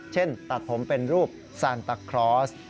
เช่นตัดผมเป็นรูปซันตะครอส